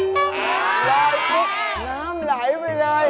ลายพลิกน้ำไหลไปเลย